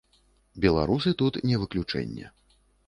Беларусы тут не выключэнне.